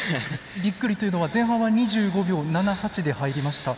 びっくりというのは前半は２５秒７８で入りました。